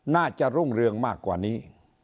น่าจะรุ่งเรืองมากกว่านี้